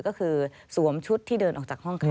ก็คือสวมชุดที่เดินออกจากห้องขัง